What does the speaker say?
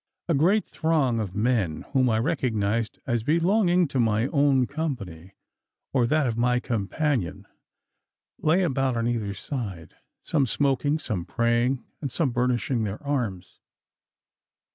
A great throng of men, whom I recognised as belonging to my own company, or that of my companion, lay about on either side, some smoking, some praying, and some burnishing their arms.